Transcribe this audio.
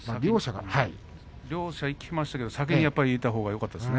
両者、いきましたが先にいったほうがよかったですね